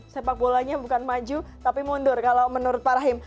sepak bolanya bukan maju tapi mundur kalau menurut pak rahim